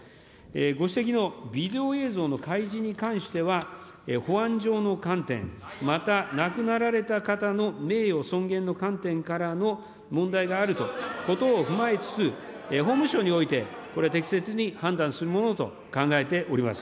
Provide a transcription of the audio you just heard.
ご指摘のビデオ映像の開示に関しては、保安上の観点、また亡くなられた方の名誉尊厳の観点からの問題があることを踏まえつつ、法務省において、これ、適切に判断するものと考えております。